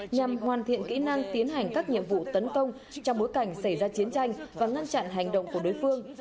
nhằm hoàn thiện kỹ năng tiến hành các nhiệm vụ tấn công trong bối cảnh xảy ra chiến tranh và ngăn chặn hành động của đối phương